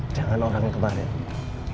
jangan orang yang kemarin